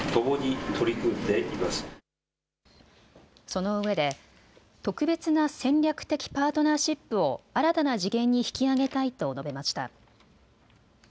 そのうえで特別な戦略的パートナーシップを新たな次元に引き上げたいと述べました。